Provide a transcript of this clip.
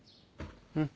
うん。